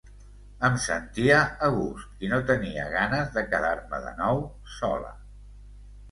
Em sentia a gust i no tenia ganes de quedar-me de nou sola.